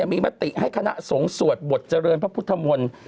มีมติให้คณะสงฆ์สวดบทเจริญพระพุทธมนตร์